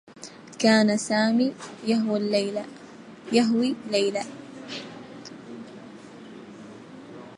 كان سامي يهوى ليلى.